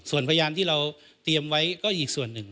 ส่วนพยานที่เราเตรียมไว้ก็อีกส่วนหนึ่ง